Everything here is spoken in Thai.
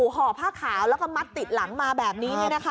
ห่อผ้าขาวแล้วก็มัดติดหลังมาแบบนี้